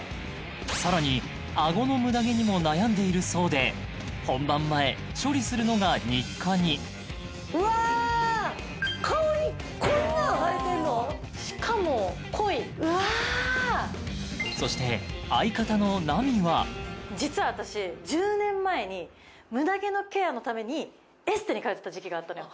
さらにあごのムダ毛にも悩んでいるそうで本番前処理するのが日課にうわそして相方の実は私１０年前にムダ毛のケアのためにエステに通ってた時期があったのよ